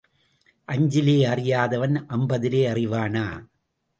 அஞ்சிலே அறியாதவன் அம்பதிலே அறிவானா?